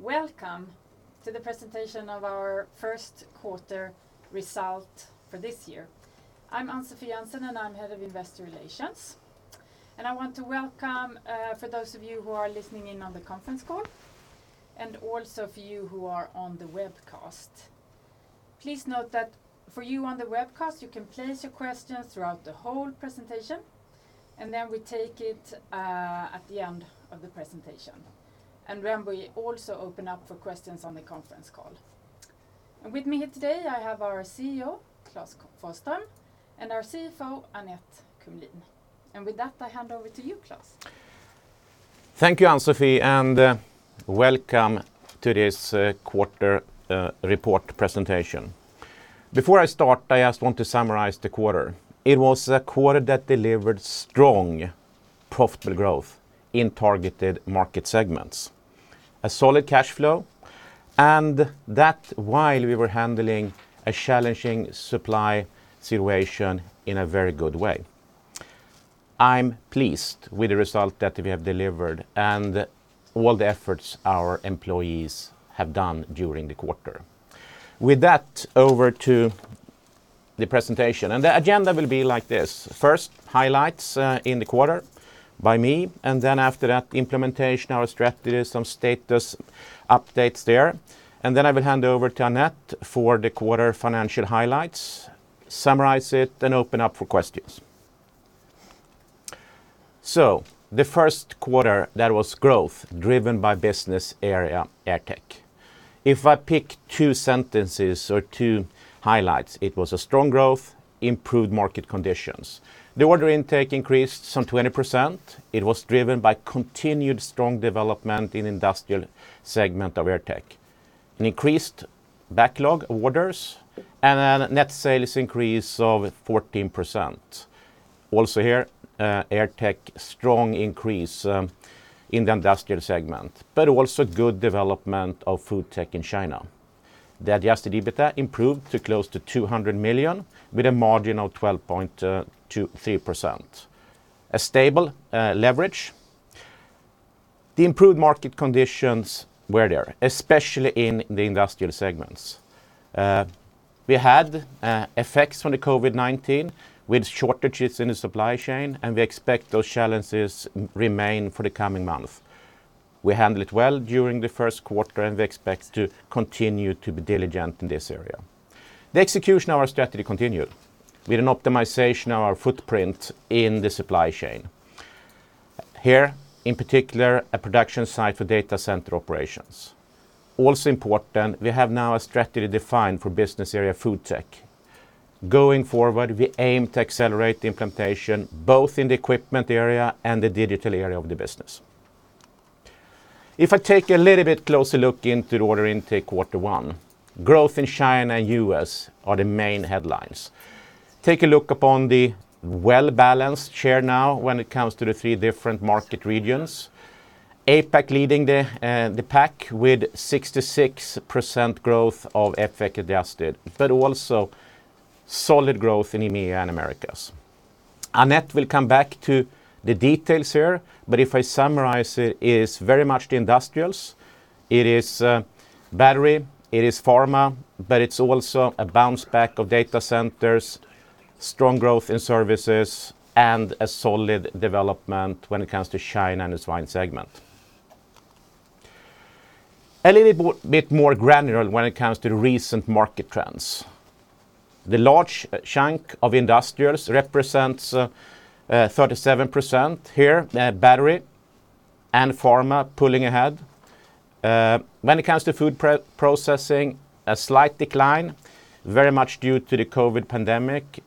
Welcome to the presentation of our first quarter result for this year. I'm Ann-Sofi Jönsson, and I'm Head of Investor Relations. I want to welcome, for those of you who are listening in on the conference call and also for you who are on the webcast. Please note that for you on the webcast, you can place your questions throughout the whole presentation, and then we take it at the end of the presentation. We also open up for questions on the conference call. With me here today, I have our CEO, Klas Forsström, and our CFO, Annette Kumlien. With that, I hand over to you, Klas. Thank you, Ann-Sofi, and welcome to this quarter report presentation. Before I start, I just want to summarize the quarter. It was a quarter that delivered strong profitable growth in targeted market segments, a solid cash flow, and that while we were handling a challenging supply situation in a very good way. I'm pleased with the result that we have delivered and all the efforts our employees have done during the quarter. With that, over to the presentation. The agenda will be like this: First, highlights in the quarter by me, and then after that, implementation of our strategy, some status updates there. Then I will hand over to Annette for the quarter financial highlights, summarize it, then open up for questions. The first quarter, there was growth driven by business area AirTech. If I pick two sentences or two highlights, it was a strong growth, improved market conditions. The order intake increased some 20%. It was driven by continued strong development in the industrial segment of AirTech, an increased backlog of orders, and a net sales increase of 14%. Here, AirTech, strong increase in the industrial segment, but also good development of FoodTech in China. The adjusted EBITDA improved to close to 200 million, with a margin of 12.3%. A stable leverage. The improved market conditions were there, especially in the industrial segments. We had effects from the COVID-19, with shortages in the supply chain, and we expect those challenges remain for the coming month. We handled it well during the first quarter, and we expect to continue to be diligent in this area. The execution of our strategy continued with an optimization of our footprint in the supply chain. Here, in particular, a production site for data center operations. Also important, we have now a strategy defined for business area FoodTech. Going forward, we aim to accelerate the implementation both in the equipment area and the digital area of the business. If I take a little bit closer look into the order intake quarter one, growth in China and U.S. are the main headlines. Take a look upon the well-balanced share now when it comes to the three different market regions. APAC leading the pack with 66% growth of FX adjusted, but also solid growth in EMEA and Americas. Annette will come back to the details here, but if I summarize it's very much the industrials. It is battery, it is pharma, but it's also a bounce back of data centers, strong growth in services, and a solid development when it comes to China and the swine segment. A little bit more granular when it comes to recent market trends. The large chunk of industrials represents 37% here. Battery and pharma pulling ahead. When it comes to food processing, a slight decline, very much due to the COVID pandemic,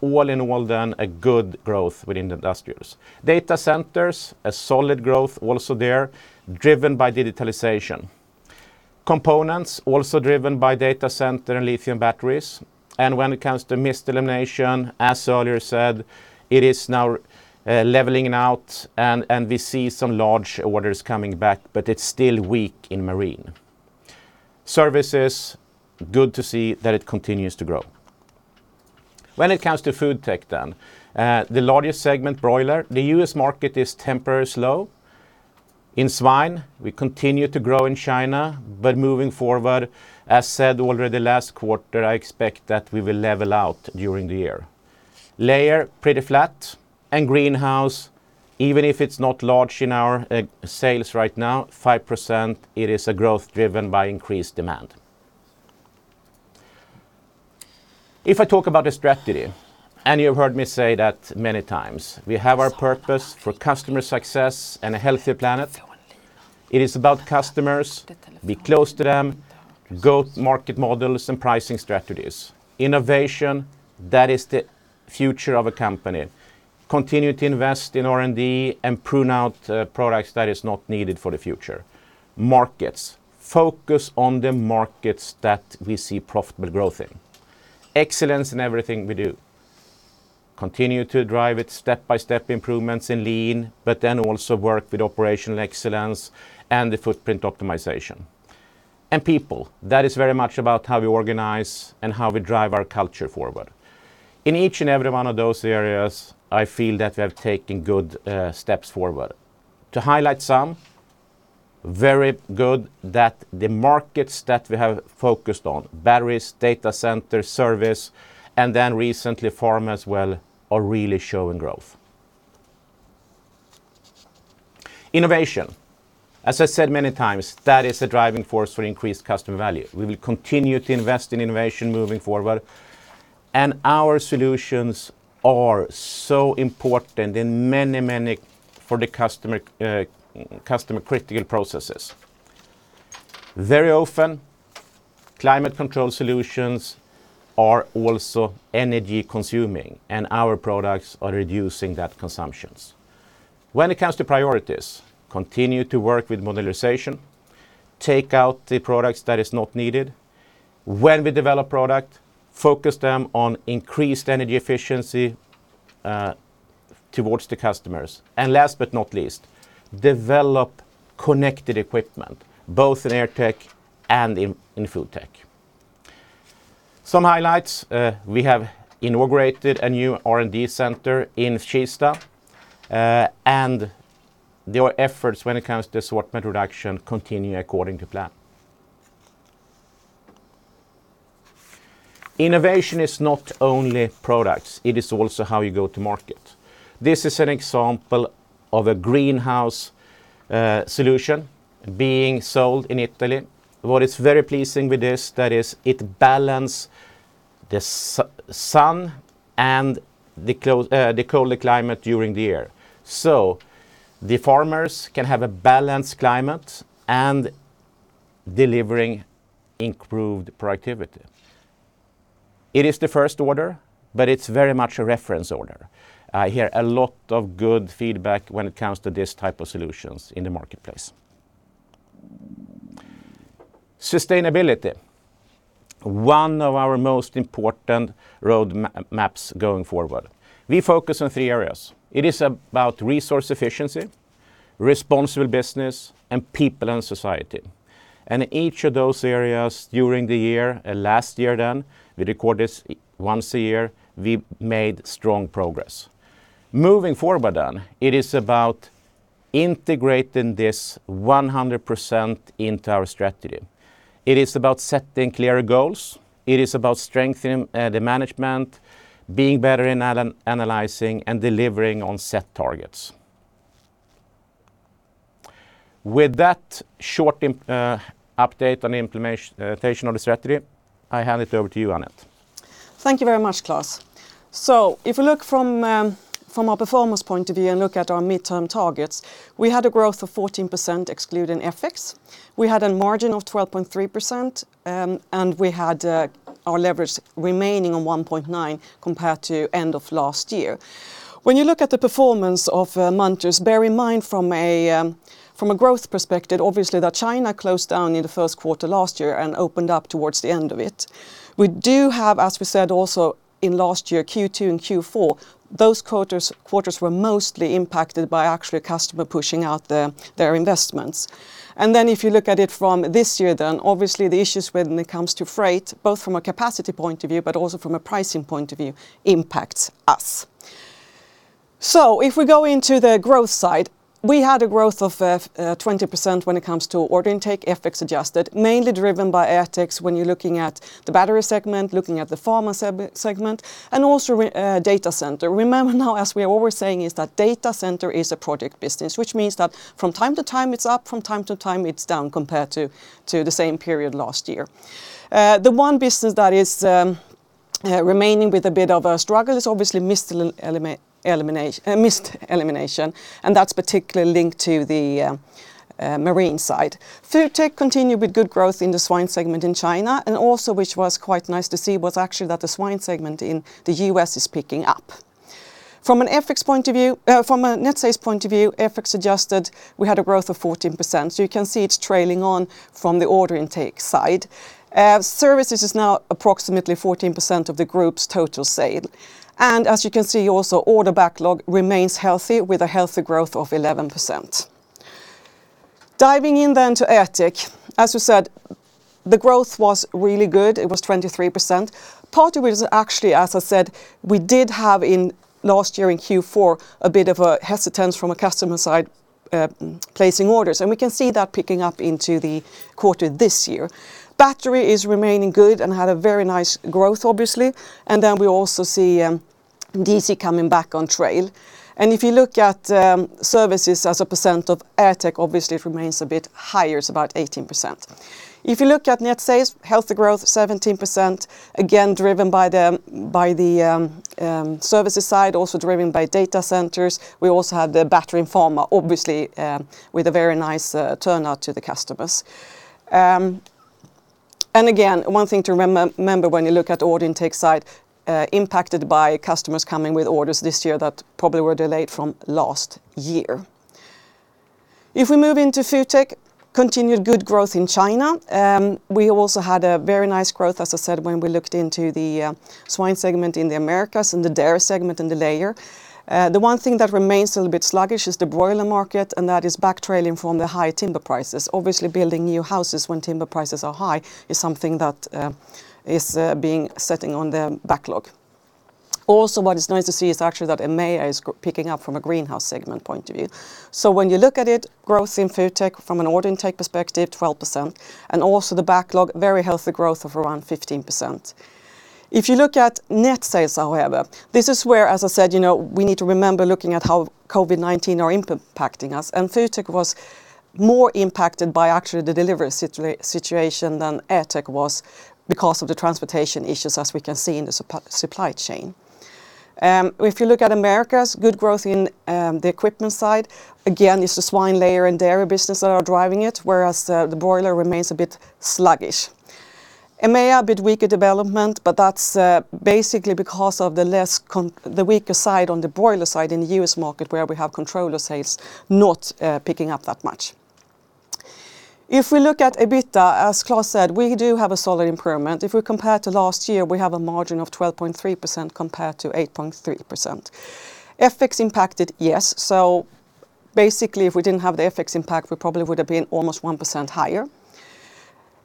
all in all then, a good growth within the industrials. Data centers, a solid growth also there, driven by digitalization. Components, also driven by data center and lithium batteries. When it comes to mist elimination, as earlier said, it is now leveling out, and we see some large orders coming back, but it's still weak in marine. Services, good to see that it continues to grow. When it comes to FoodTech then, the largest segment, broiler. The U.S. market is temporarily slow. In swine, we continue to grow in China, but moving forward, as said already last quarter, I expect that we will level out during the year. Layer, pretty flat, and greenhouse, even if it's not large in our sales right now, 5%, it is a growth driven by increased demand. If I talk about the strategy, and you've heard me say that many times, we have our purpose for customer success and a healthier planet. It is about customers, be close to them, go-to-market models and pricing strategies. Innovation, that is the future of a company. Continue to invest in R&D and prune out products that is not needed for the future. Markets, focus on the markets that we see profitable growth in. Excellence in everything we do. Continue to drive it step-by-step improvements in lean, but then also work with operational excellence and the footprint optimization. People. That is very much about how we organize and how we drive our culture forward. In each and every one of those areas, I feel that we have taken good steps forward. To highlight some, very good that the markets that we have focused on, batteries, data center, service, recently pharma as well, are really showing growth. Innovation, as I said many times, that is the driving force for increased customer value. We will continue to invest in innovation moving forward. Our solutions are so important for the customer-critical processes. Very often, climate control solutions are also energy consuming. Our products are reducing that consumption. When it comes to priorities, continue to work with modularization, take out the products that are not needed. When we develop products, focus them on increased energy efficiency towards the customers. Last but not least, develop connected equipment, both in AirTech and in FoodTech. Some highlights, we have inaugurated a new R&D center in Kista, their efforts when it comes to sortment reduction continue according to plan. Innovation is not only products, it is also how you go-to-market. This is an example of a greenhouse solution being sold in Italy. What is very pleasing with this, it balances the sun and the colder climate during the year. The farmers can have a balanced climate and deliver improved productivity. It is the first order, it's very much a reference order. I hear a lot of good feedback when it comes to these types of solutions in the marketplace. Sustainability, one of our most important roadmaps going forward. We focus on three areas. It is about resource efficiency, responsible business, and people and society. Each of those areas during the year, last year then, we record this once a year, we made strong progress. Moving forward, it is about integrating this 100% into our strategy. It is about setting clear goals. It is about strengthening the management, being better at analyzing, and delivering on set targets. With that short update on the implementation of the strategy, I hand it over to you, Annette. Thank you very much, Klas. If we look from a performance point of view and look at our midterm targets, we had a growth of 14% excluding FX. We had a margin of 12.3%, and we had our leverage remaining on 1.9 compared to end of last year. When you look at the performance of Munters, bear in mind from a growth perspective, obviously, that China closed down in the first quarter last year and opened up towards the end of it. We do have, as we said, also in last year, Q2 and Q4, those quarters were mostly impacted by actual customer pushing out their investments. If you look at it from this year, obviously the issues when it comes to freight, both from a capacity point of view, but also from a pricing point of view, impacts us. If we go into the growth side, we had a growth of 20% when it comes to order intake, FX adjusted, mainly driven by AirTech, when you're looking at the battery segment, looking at the pharma segment, and also data center. Remember now, as we are always saying, is that data center is a project business, which means that from time to time it's up, from time to time it's down compared to the same period last year. The one business that is remaining with a bit of a struggle is obviously mist elimination, and that's particularly linked to the marine side. FoodTech continued with good growth in the swine segment in China, and also, which was quite nice to see, was actually that the swine segment in the U.S. is picking up. From a net sales point of view, FX adjusted, we had a growth of 14%. You can see it's trailing on from the order intake side. Services is now approximately 14% of the group's total sale. As you can see also, order backlog remains healthy with a healthy growth of 11%. Diving in then to AirTech, as we said, the growth was really good. It was 23%, partly was actually, as I said, we did have in last year in Q4, a bit of a hesitance from a customer side placing orders, and we can see that picking up into the quarter this year. Battery is remaining good and had a very nice growth, obviously. Then we also see DC coming back on trail. If you look at services as a percent of AirTech, obviously it remains a bit higher. It's about 18%. If you look at net sales, healthy growth, 17%, again, driven by the services side, also driven by data centers. We also have the battery and pharma, obviously, with a very nice turnout to the customers. Again, one thing to remember when you look at order intake side, impacted by customers coming with orders this year that probably were delayed from last year. If we move into FoodTech, continued good growth in China. We also had a very nice growth, as I said, when we looked into the swine segment in the Americas and the dairy segment and the layer. The one thing that remains a little bit sluggish is the broiler market. That is back trailing from the high timber prices. Obviously, building new houses when timber prices are high is something that is being sitting on the backlog. What is nice to see is actually that EMEA is picking up from a greenhouse segment point of view. When you look at it, growth in FoodTech from an order intake perspective, 12%, and also the backlog, very healthy growth of around 15%. If you look at net sales, however, this is where, as I said, we need to remember looking at how COVID-19 are impacting us. FoodTech was more impacted by actually the delivery situation than AirTech was because of the transportation issues, as we can see in the supply chain. If you look at Americas, good growth in the equipment side, again, it's the swine layer and dairy business that are driving it, whereas the broiler remains a bit sluggish. EMEA, a bit weaker development, but that's basically because of the weaker side on the broiler side in the U.S. market where we have controller sales not picking up that much. If we look at EBITDA, as Klas said, we do have a solid improvement. If we compare to last year, we have a margin of 12.3% compared to 8.3%. FX impacted, yes. Basically, if we didn't have the FX impact, we probably would have been almost 1% higher.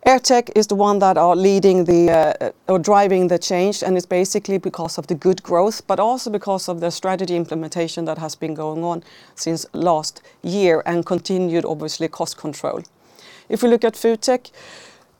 AirTech is the one that are leading the or driving the change, and it's basically because of the good growth, but also because of the strategy implementation that has been going on since last year and continued, obviously, cost control. If we look at FoodTech,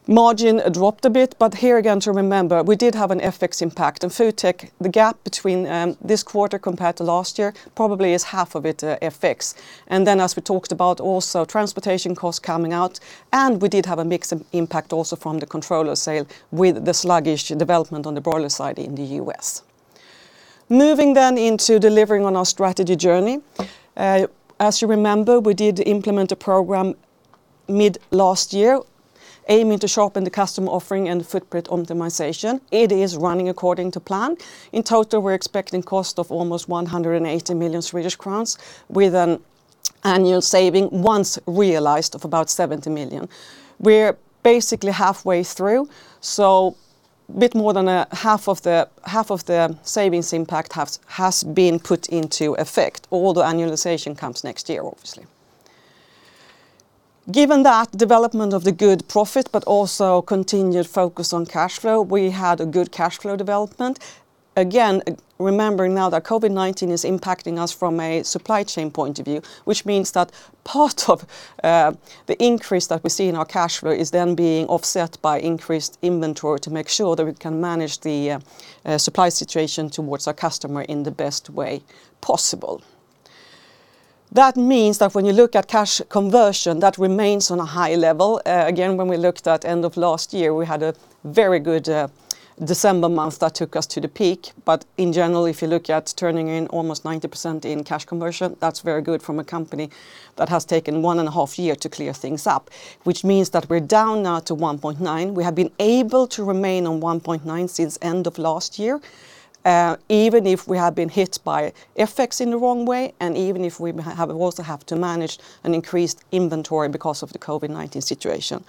margin dropped a bit, but here again, to remember, we did have an FX impact. In FoodTech, the gap between this quarter compared to last year probably is half of it FX. As we talked about also, transportation costs coming out, and we did have a mixed impact also from the controller sale with the sluggish development on the broiler side in the U.S. Moving into delivering on our strategy journey. As you remember, we did implement a program mid last year aiming to sharpen the customer offering and footprint optimization. It is running according to plan. In total, we're expecting cost of almost 180 million Swedish crowns with an annual saving, once realized, of about 70 million. We're basically halfway through, bit more than half of the savings impact has been put into effect. All the annualization comes next year, obviously. Given that development of the good profit, but also continued focus on cash flow, we had a good cash flow development. Remembering now that COVID-19 is impacting us from a supply chain point of view, which means that part of the increase that we see in our cash flow is then being offset by increased inventory to make sure that we can manage the supply situation towards our customer in the best way possible. That means that when you look at cash conversion, that remains on a high level. When we looked at end of last year, we had a very good December month that took us to the peak. In general, if you look at turning in almost 90% in cash conversion, that's very good from a company that has taken one and a half year to clear things up, which means that we're down now to 1.9. We have been able to remain on 1.9 since end of last year, even if we have been hit by FX in the wrong way and even if we also have to manage an increased inventory because of the COVID-19 situation.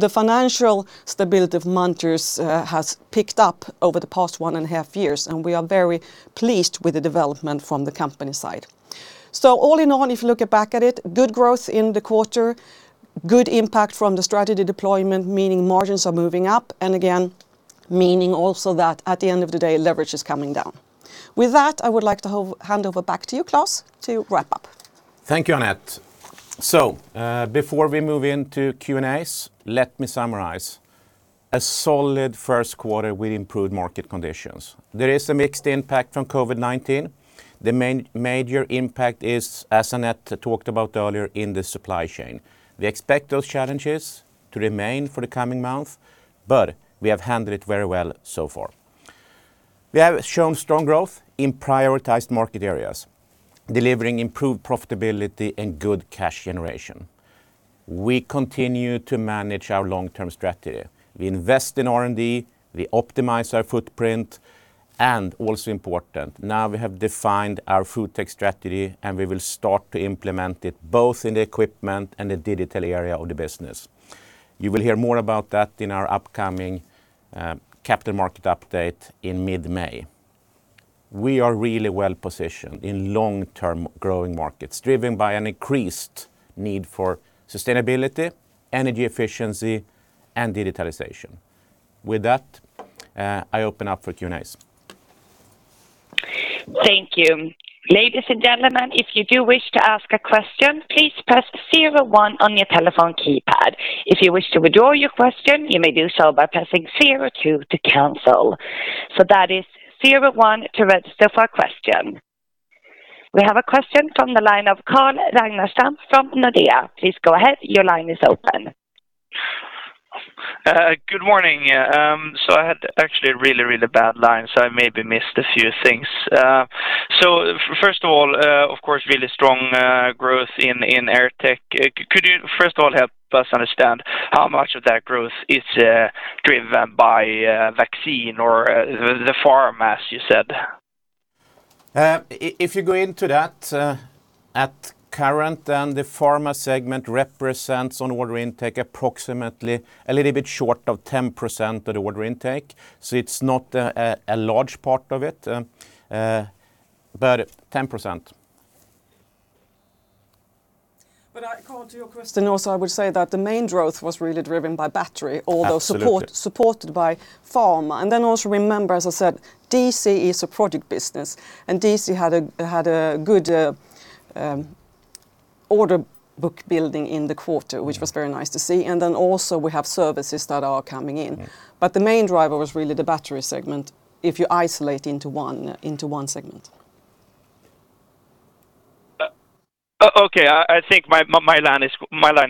The financial stability of Munters has picked up over the past one and a half years, and we are very pleased with the development from the company side. All in all, if you look back at it, good growth in the quarter, good impact from the strategy deployment, meaning margins are moving up, and again, meaning also that at the end of the day, leverage is coming down. With that, I would like to hand over back to you, Klas, to wrap up. Thank you, Annette. Before we move into Q&As, let me summarize. A solid first quarter with improved market conditions. There is a mixed impact from COVID-19. The major impact is, as Annette talked about earlier, in the supply chain. We expect those challenges to remain for the coming month, but we have handled it very well so far. We have shown strong growth in prioritized market areas, delivering improved profitability and good cash generation. We continue to manage our long-term strategy. We invest in R&D, we optimize our footprint, and also important, now we have defined our FoodTech strategy, and we will start to implement it both in the equipment and the digital area of the business. You will hear more about that in our upcoming capital market update in mid-May. We are really well-positioned in long-term growing markets, driven by an increased need for sustainability, energy efficiency, and digitalization. With that, I open up for Q&As. Thank you. Ladies and gentlemen, if you do wish to ask a question, please press zero one on your telephone keypad. If you wish to withdraw your question, you may do so by pressing zero two to cancel. That is zero one to register for a question. We have a question from the line of Carl Ragnerstam from Nordea. Please go ahead. Your line is open. Good morning. I had actually a really, really bad line, so I maybe missed a few things. First of all, of course, really strong growth in AirTech. Could you first of all help us understand how much of that growth is driven by vaccine or the pharma, as you said? If you go into that, at current, then the pharma segment represents on order intake approximately a little bit short of 10% of the order intake. It's not a large part of it, but 10%. Carl, to your question also, I would say that the main growth was really driven by battery- Absolutely. -although supported by pharma. Remember, as I said, DC is a project business, and DC had a good order book building in the quarter, which was very nice to see. We have services that are coming in. The main driver was really the battery segment, if you isolate into one segment. Okay. I think my line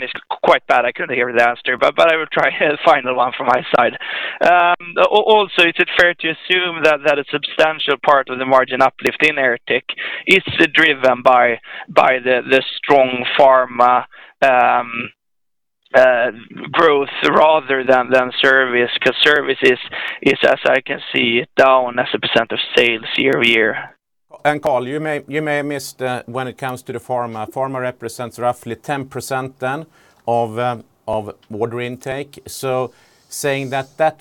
is quite bad. I couldn't hear the answer, but I will try and find the one from my side. Is it fair to assume that a substantial part of the margin uplift in AirTech is driven by the strong pharma growth rather than service? Services is, as I can see, down as a percentage of sales year-over-year. Carl, you may have missed when it comes to the pharma represents roughly 10% then of order intake. Saying that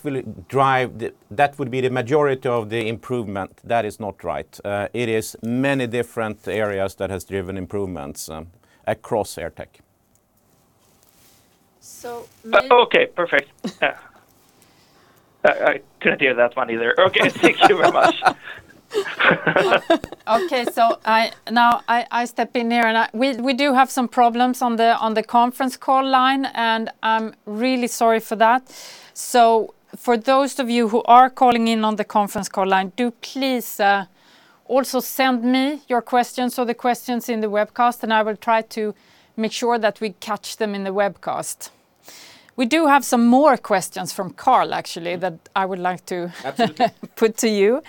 would be the majority of the improvement, that is not right. It is many different areas that has driven improvements across AirTech. So many- Okay, perfect. I couldn't hear that one either. Okay, thank you very much. Okay, so now I step in here, and we do have some problems on the conference call line, and I'm really sorry for that. For those of you who are calling in on the conference call line, do please also send me your questions or the questions in the webcast, and I will try to make sure that we catch them in the webcast. We do have some more questions from Carl, actually, that I would like to- Absolutely. -put to you.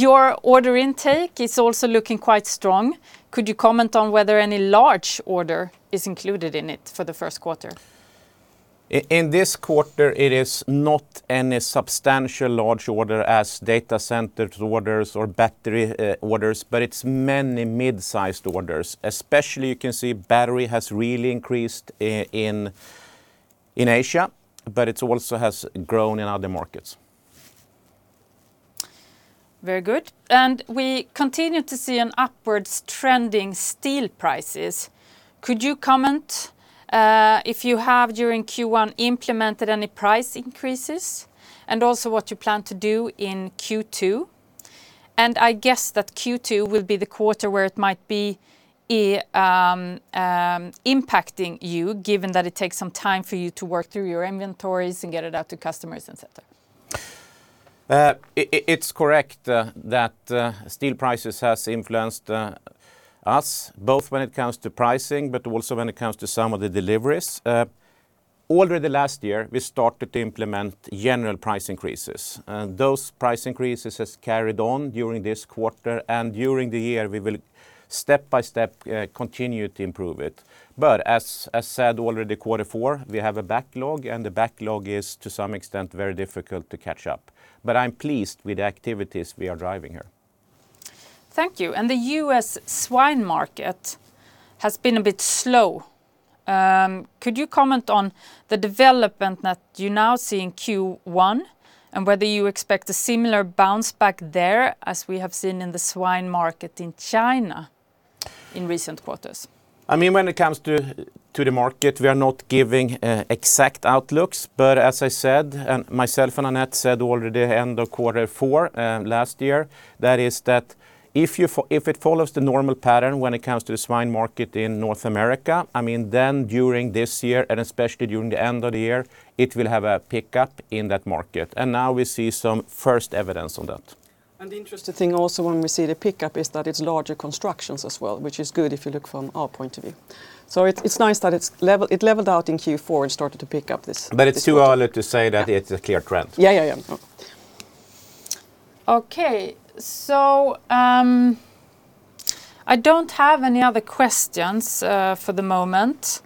Your order intake is also looking quite strong. Could you comment on whether any large order is included in it for the first quarter? In this quarter, it is not any substantial large order as data center orders or battery orders, but it's many mid-sized orders. Especially you can see battery has really increased in Asia, but it also has grown in other markets. Very good. We continue to see an upwards trending steel prices. Could you comment, if you have during Q1 implemented any price increases? Also what you plan to do in Q2? I guess that Q2 will be the quarter where it might be impacting you, given that it takes some time for you to work through your inventories and get it out to customers, et cetera. It's correct that steel prices has influenced us, both when it comes to pricing, but also when it comes to some of the deliveries. Already last year, we started to implement general price increases. Those price increases has carried on during this quarter, and during the year, we will step by step continue to improve it. As said already, quarter four, we have a backlog, and the backlog is to some extent very difficult to catch up. I'm pleased with the activities we are driving here. Thank you. The U.S. swine market has been a bit slow. Could you comment on the development that you're now seeing Q1, and whether you expect a similar bounce back there as we have seen in the swine market in China in recent quarters? When it comes to the market, we are not giving exact outlooks. As I said, and myself and Annette said already end of quarter four last year, that is that if it follows the normal pattern when it comes to the swine market in North America, then during this year and especially during the end of the year, it will have a pickup in that market. Now we see some first evidence on that. The interesting thing also when we see the pickup is that it's larger constructions as well, which is good if you look from our point of view. It's nice that it leveled out in Q4 and started to pick up this quarter. It's too early to say that it's a clear trend. Yeah. Okay. I don't have any other questions for the moment.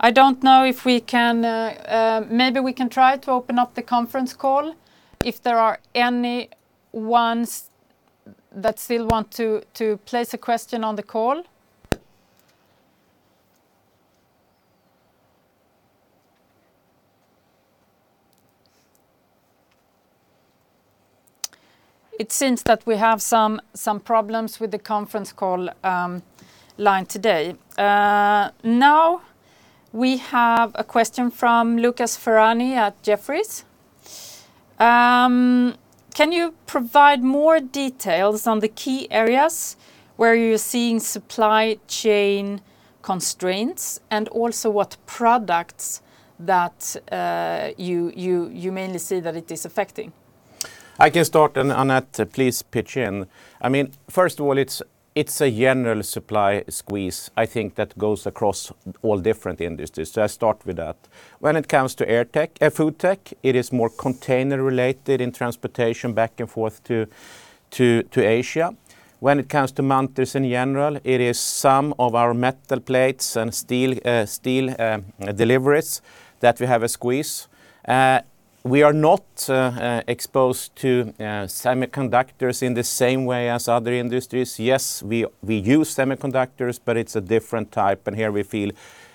I don't know if we can Maybe we can try to open up the conference call if there are any ones that still want to place a question on the call. It seems that we have some problems with the conference call line today. We have a question from Lucas Ferhani at Jefferies. Can you provide more details on the key areas where you're seeing supply chain constraints, what products that you mainly see that it is affecting? I can start, and Annette, please pitch in. First of all, it's a general supply squeeze, I think, that goes across all different industries. I start with that. When it comes to FoodTech, it is more container related in transportation back and forth to Asia. When it comes to Munters in general, it is some of our metal plates and steel deliveries that we have a squeeze. We are not exposed to semiconductors in the same way as other industries. Yes, we use semiconductors, but it's a different type, and here we feel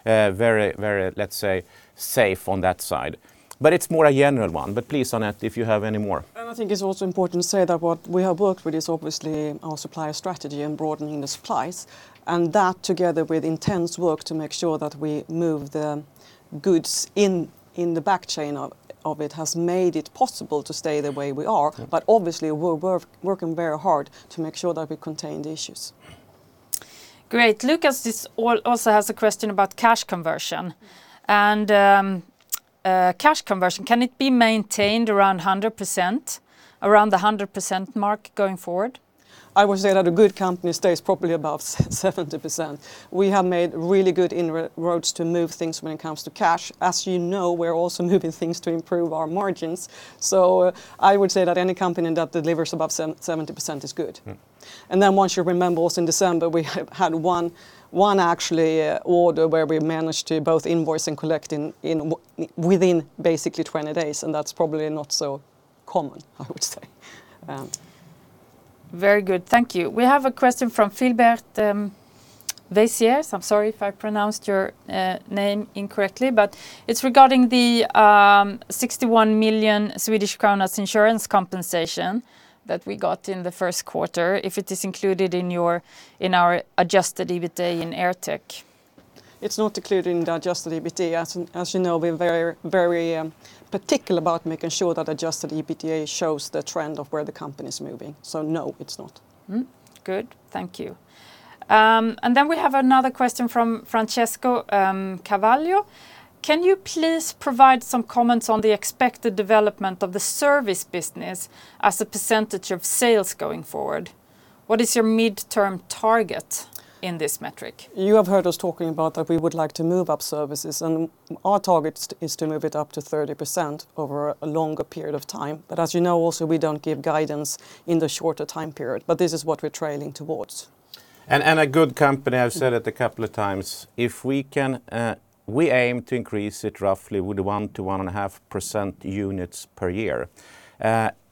very safe on that side. It's more a general one. Please, Annette, if you have any more. I think it's also important to say that what we have worked with is obviously our supplier strategy and broadening the supplies, that together with intense work to make sure that we move the goods in the back chain of it has made it possible to stay the way we are. Obviously, we're working very hard to make sure that we contain the issues. Great. Lucas also has a question about cash conversion. Cash conversion, can it be maintained around the 100% mark going forward? I would say that a good company stays probably above 70%. We have made really good inroads to move things when it comes to cash. As you know, we're also moving things to improve our margins. I would say that any company that delivers above 70% is good. Once you remember also in December, we have had one actually order where we managed to both invoice and collect within basically 20 days, and that's probably not so common, I would say. Very good. Thank you. We have a question from Philbert Vessières. I'm sorry if I pronounced your name incorrectly, but it's regarding the 61 million Swedish kronor insurance compensation that we got in the first quarter, if it is included in our adjusted EBITDA in AirTech. It's not included in the adjusted EBITDA. As you know, we're very particular about making sure that adjusted EBITDA shows the trend of where the company is moving. No, it's not. Good. Thank you. Then we have another question from Francesco Cavallo. Can you please provide some comments on the expected development of the service business as a percentage of sales going forward? What is your midterm target in this metric? You have heard us talking about that we would like to move up services. Our target is to move it up to 30% over a longer period of time. As you know also, we don't give guidance in the shorter time period, but this is what we're trailing towards. A good company, I've said it a couple of times, we aim to increase it roughly with 1%-1.5% units per year.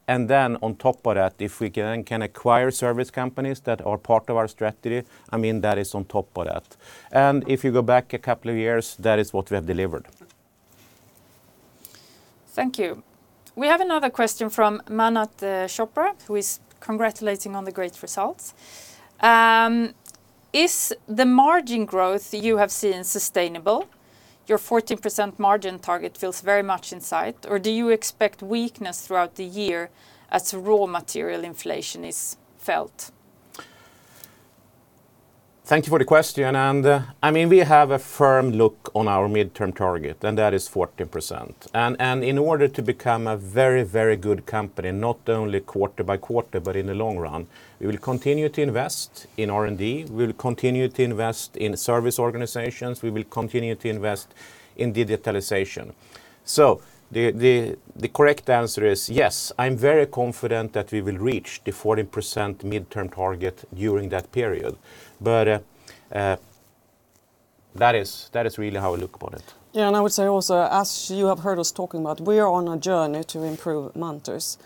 Then on top of that, if we then can acquire service companies that are part of our strategy, that is on top of that. If you go back a couple of years, that is what we have delivered. Thank you. We have another question from Mannat Chopra, who is congratulating on the great results. Is the margin growth you have seen sustainable? Your 14% margin target feels very much in sight, or do you expect weakness throughout the year as raw material inflation is felt? Thank you for the question, we have a firm look on our midterm target, and that is 14%. In order to become a very good company, not only quarter-by-quarter, but in the long run, we will continue to invest in R&D, we will continue to invest in service organizations, we will continue to invest in digitalization. The correct answer is yes, I'm very confident that we will reach the 14% midterm target during that period, but that is really how I look upon it. Yeah, as you have heard us talking about, we are on a journey to improve Munters,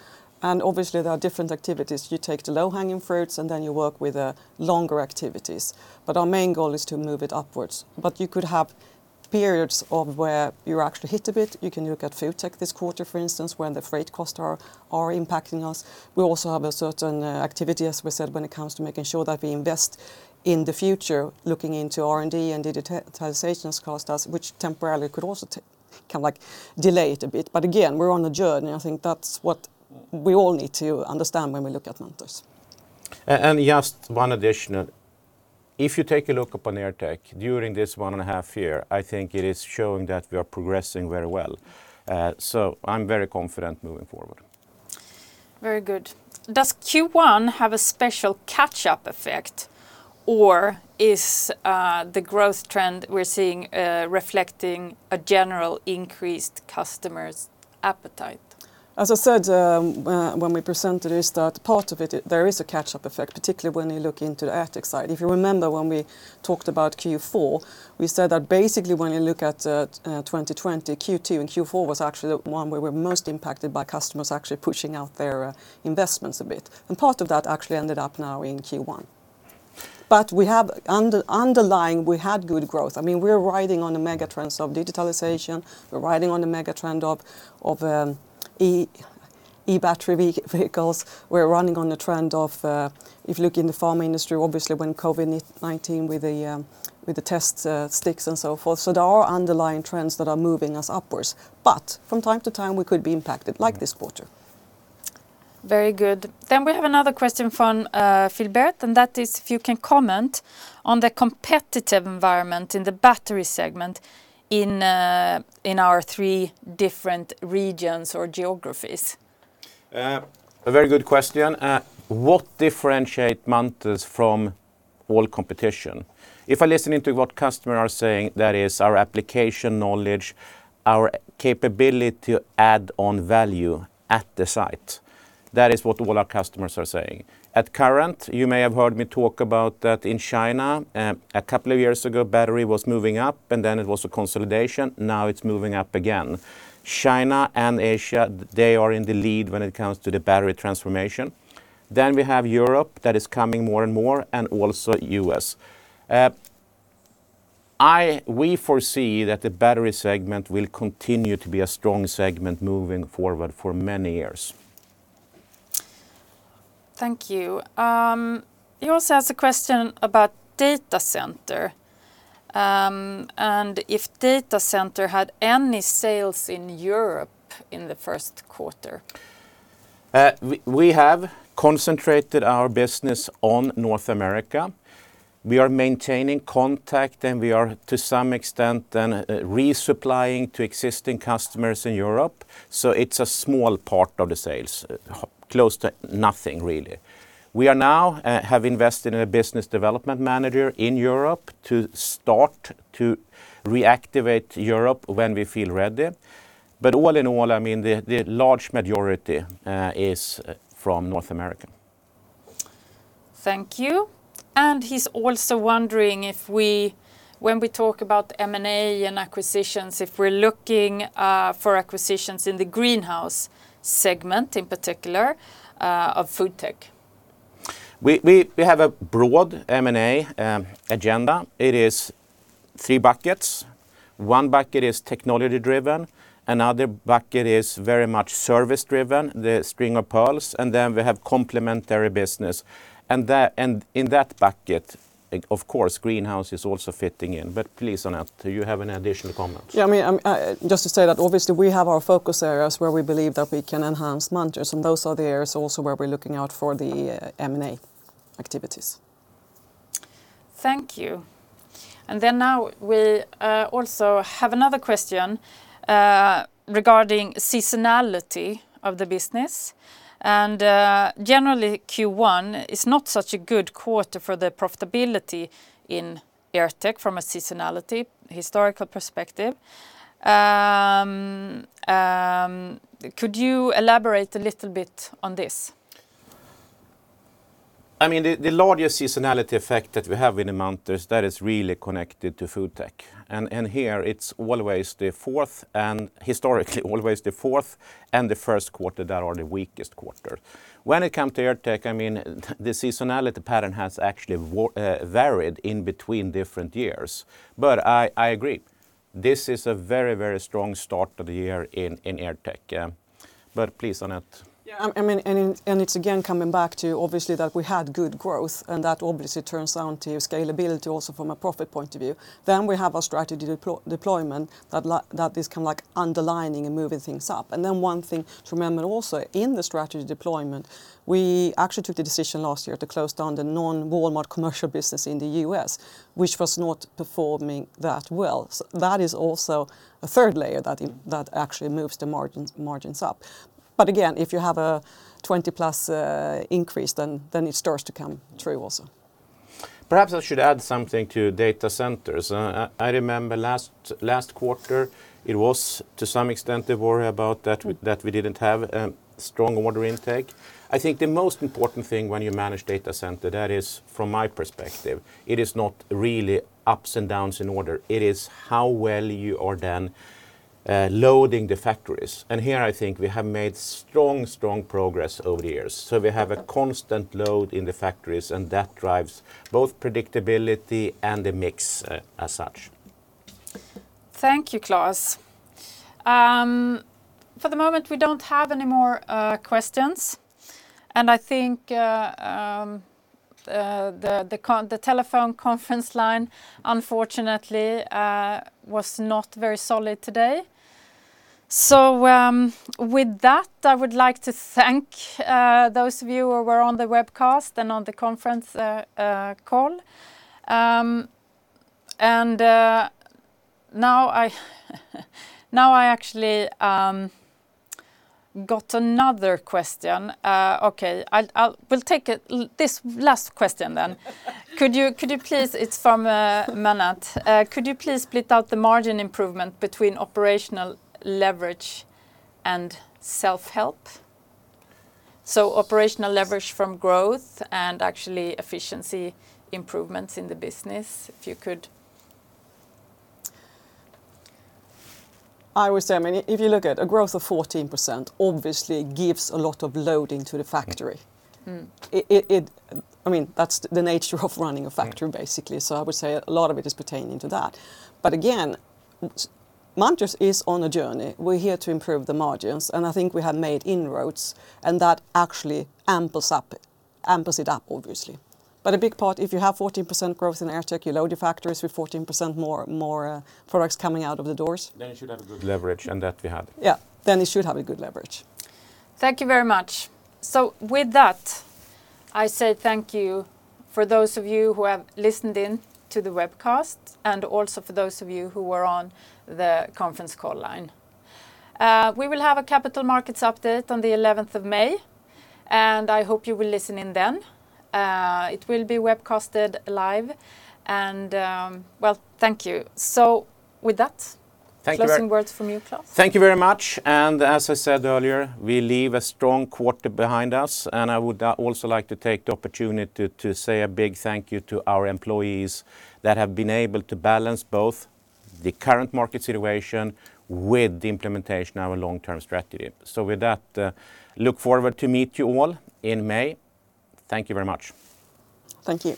and obviously there are different activities. You take the low-hanging fruits, then you work with longer activities. Our main goal is to move it upwards. You could have periods of where you're actually hit a bit. You can look at FoodTech this quarter, for instance, when the freight costs are impacting us. We also have a certain activity, as we said, when it comes to making sure that we invest in the future, looking into R&D and digitalizations cost us, which temporarily could also delay it a bit. Again, we're on a journey. I think that's what we all need to understand when we look at Munters. Just one additional. If you take a look up on AirTech, during this one and a half year, I think it is showing that we are progressing very well. I am very confident moving forward. Very good. Does Q1 have a special catch-up effect, or is the growth trend we're seeing reflecting a general increased customer's appetite? As I said, when we presented is that part of it, there is a catch-up effect, particularly when you look into the AirTech side. If you remember when we talked about Q4, we said that basically when you look at 2020, Q2 and Q4 was actually the one where we were most impacted by customers actually pushing out their investments a bit. Part of that actually ended up now in Q1. Underlying, we had good growth. We're riding on the mega trends of digitalization. We're riding on the mega trend of e-battery vehicles. We're running on the trend of, if you look in the pharma industry, obviously when COVID-19, with the test sticks and so forth. There are underlying trends that are moving us upwards. From time to time, we could be impacted like this quarter. Very good. We have another question from Philbert, and that is if you can comment on the competitive environment in the battery segment in our three different regions or geographies. A very good question. What differentiate Munters from all competition? If I listen to what customers are saying, that is our application knowledge, our capability to add on value at the site. That is what all our customers are saying. At current, you may have heard me talk about that in China, a couple of years ago, battery was moving up, and then it was a consolidation. Now it's moving up again. China and Asia, they are in the lead when it comes to the battery transformation. We have Europe that is coming more and more, and also U.S. We foresee that the battery segment will continue to be a strong segment moving forward for many years. Thank you. He also asks a question about data center, and if data center had any sales in Europe in the first quarter? We have concentrated our business on North America. We are maintaining contact, we are, to some extent, resupplying to existing customers in Europe. It's a small part of the sales, close to nothing, really. We now have invested in a business development manager in Europe to start to reactivate Europe when we feel ready. All in all, the large majority is from North America. Thank you. He's also wondering, when we talk about M&A and acquisitions, if we're looking for acquisitions in the greenhouse segment, in particular, of FoodTech? We have a broad M&A agenda. It is three buckets. One bucket is technology driven. Another bucket is very much service driven, the string of pearls, and then we have complementary business. In that bucket, of course, greenhouse is also fitting in. Please, Annette, do you have any additional comments? Yeah, just to say that obviously we have our focus areas where we believe that we can enhance Munters, and those are the areas also where we're looking out for the M&A activities. Thank you. Now we also have another question regarding seasonality of the business. Generally, Q1 is not such a good quarter for the profitability in AirTech from a seasonality, historical perspective. Could you elaborate a little bit on this? The largest seasonality effect that we have in Munters, that is really connected to FoodTech, and here it's historically always the fourth and the first quarter that are the weakest quarters. When it comes to AirTech, the seasonality pattern has actually varied in between different years. I agree, this is a very strong start of the year in AirTech. Please, Annette. It's again coming back to obviously that we had good growth, and that obviously turns down to scalability also from a profit point of view. We have a strategy deployment that is kind of underlining and moving things up. One thing to remember also, in the strategy deployment, we actually took the decision last year to close down the non-Walmart commercial business in the U.S., which was not performing that well. That is also a third layer that actually moves the margins up. Again, if you have a 20+ increase, then it starts to come through also. Perhaps I should add something to data centers. I remember last quarter, it was to some extent the worry about that we didn't have a strong order intake. I think the most important thing when you manage data center, that is from my perspective, it is not really ups and downs in order. It is how well you are then loading the factories, and here I think we have made strong progress over the years. We have a constant load in the factories, and that drives both predictability and the mix as such. Thank you, Klas. For the moment, we don't have any more questions. I think the telephone conference line, unfortunately, was not very solid today. With that, I would like to thank those of you who were on the webcast and on the conference call. Now I actually got another question. Okay. We'll take it, this last question then. It's from Mannat. Could you please split out the margin improvement between operational leverage and self-help? Operational leverage from growth and actually efficiency improvements in the business, if you could. I would say, if you look at a growth of 14%, obviously it gives a lot of loading to the factory. That's the nature of running a factory, basically. I would say a lot of it is pertaining to that. Again, Munters is on a journey. We're here to improve the margins, and I think we have made inroads, and that actually amps it up, obviously. A big part, if you have 14% growth in AirTech, you load your factories with 14% more products coming out of the doors. You should have a good leverage, and that we have. Yeah. You should have a good leverage. Thank you very much. With that, I say thank you for those of you who have listened in to the webcast, and also for those of you who were on the conference call line. We will have a capital markets update on the May 11th, and I hope you will listen in then. It will be webcasted live. Well, thank you. With that. Thank you. Closing words from you, Klas. Thank you very much. As I said earlier, we leave a strong quarter behind us, and I would also like to take the opportunity to say a big thank you to our employees that have been able to balance both the current market situation with the implementation of our long-term strategy. With that, look forward to meet you all in May. Thank you very much. Thank you.